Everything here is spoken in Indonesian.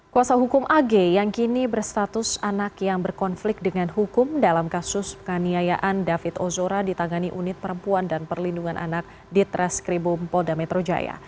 kuasa hukum ag yang kini berstatus anak yang berkonflik dengan hukum dalam kasus penganiayaan david ozora ditangani unit perempuan dan perlindungan anak di treskribum polda metro jaya